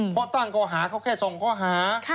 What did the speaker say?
เพราะตั้งก่อหาเขาแค่สองก่อหา